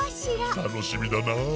たのしみだなあ。